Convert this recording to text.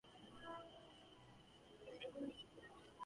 It also makes redundancy payments in cases where a company is insolvent.